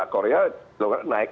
korea dilonggarkan naik